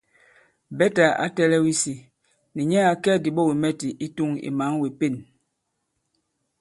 Bɛtà ǎ tɛ̄lɛ̄w isī nì nyɛ à kɛ diɓogìmɛtì i tûŋ ì mǎn wě Pên.